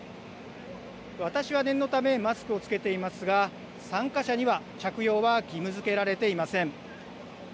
私は念のため、マスクを着けていますが、参加者には着用は義務づけられていません。